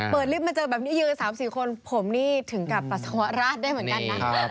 ลิฟต์มาเจอแบบนี้ยืน๓๔คนผมนี่ถึงกับปัสสาวะราชได้เหมือนกันนะ